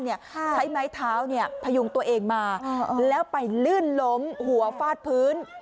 ใช้ไม้เท้าพยุงตัวเองมาแล้วไปลื่นล้มหัวฟาดพื้น